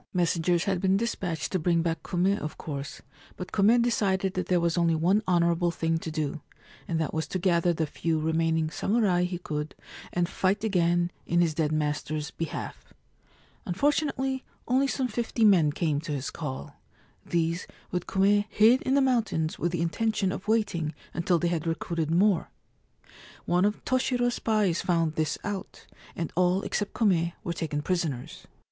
Messengers had been despatched to bring back Kume, of course ; but Kume decided that there was only one honourable thing to do, and that was to gather the few remaining samurai he could and fight again in his dead master's behalf. Unfortunately, only some fifty men came to his call. These, with Kume, hid in the mountains with the intention of waiting until they had recruited more. One of Toshiro's spies found this out, and all except Kume were taken prisoners.